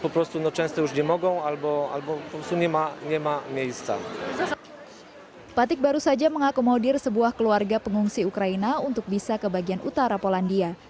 batik baru saja mengakomodir sebuah keluarga pengungsi ukraina untuk bisa ke bagian utara polandia